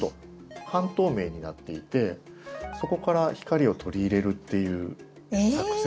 半透明になっていてそこから光を取り入れるっていう作戦を。